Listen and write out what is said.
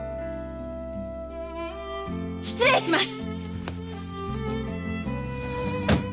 失礼します！